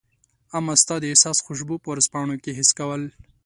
امه ستا د احساس خوشبو په ورځپاڼو کي حس کول